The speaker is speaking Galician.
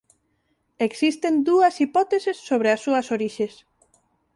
Existen dúas hipóteses sobre as súas orixes.